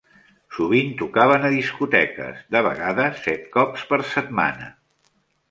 Sovint tocaven a discoteques, de vegades set cops per setmana.